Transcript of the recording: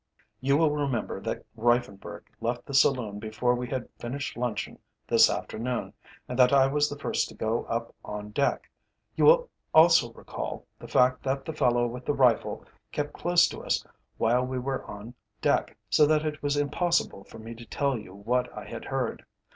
"You will remember that Reiffenburg left the saloon before we had finished luncheon this afternoon, and that I was the first to go up on deck. You will also recall the fact that the fellow with the rifle kept close to us while we were on deck, so that it was impossible for me to tell you what I had heard.